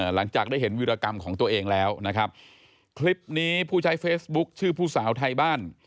หลังจากได้เห็นวิรากรรมของตัวเองแล้วนะครับคลิปนี้ผู้ใช้เฟซบุ๊คชื่อผู้สาวไทยบ้าน